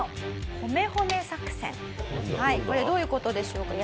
これどういう事でしょうか？